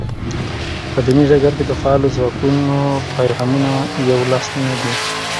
په دیني ډګر کې د فعالو ځواکونو پیغامونه یو لاس نه دي.